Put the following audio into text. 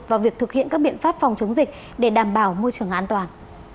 vào việc thực hiện các biện pháp phòng chống dịch để đảm bảo môi trường an toàn